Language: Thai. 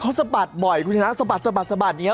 เขาสะบัดบ่อยคุณชนะสะบัด